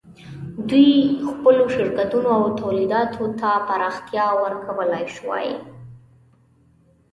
دوی خپلو شرکتونو او تولیداتو ته پراختیا ورکولای شوای.